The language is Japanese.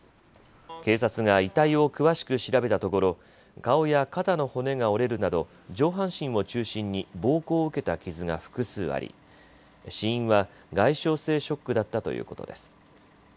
警察が遺体を詳しく調べたところ顔や肩の骨が折れるなど上半身を中心に暴行を受けた傷が複数あり死因は外傷性ショックだったということです。